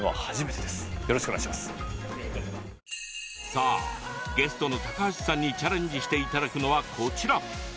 さあゲストの高橋さんにチャレンジしていただくのはこちら！